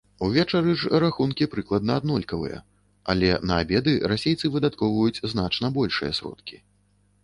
Увечары ж рахункі прыкладна аднолькавыя, але на абеды расейцы выдаткоўваюць значна большыя сродкі.